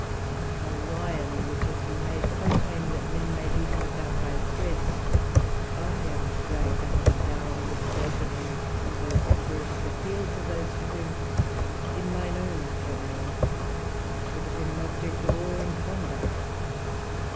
Like a lion which has been made so tame that men may lead him about by a thread, I am dragged up and down, with broken and humbled spirit, at the heels of those to whom, in mine own domain, I should have been an object of awe and wonder.